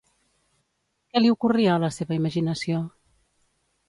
Què li ocorria a la seva imaginació?